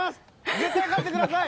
絶対勝ってください！